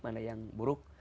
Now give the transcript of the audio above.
mana yang buruk